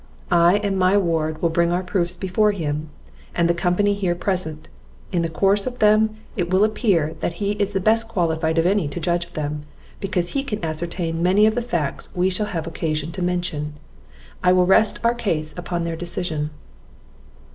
I and my ward will bring our proofs before him, and the company here present; in the course of them, it will appear that he is the best qualified of any to judge of them, because he can ascertain many of the facts we shall have occasion to mention. I will rest our cause upon their decision."